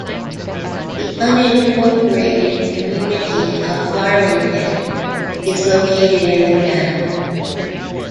The unincorporated community of Farmington is located in the town.